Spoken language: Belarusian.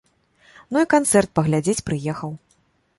Ну і канцэрт паглядзець прыехаў.